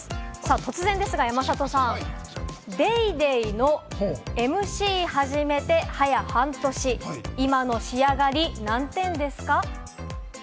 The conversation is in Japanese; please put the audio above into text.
突然ですが山里さん、「ＤａｙＤａｙ．のＭＣ始めて早半年、今の仕上がり何点ですか？」